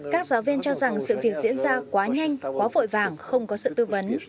các giáo viên cho rằng sự việc diễn ra quá nhanh quá vội vàng không có sự tư vấn